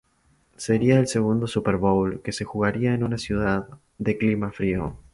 Sería el segundo Super Bowl que se jugaría en una ciudad de clima frío.